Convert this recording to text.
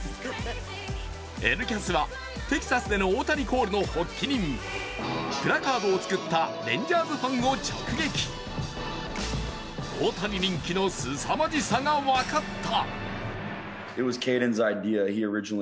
「Ｎキャス」はテキサスでの大谷コールの発起人プラカードを作ったレンジャーズファンを直撃大谷人気のすさまじさが分かった。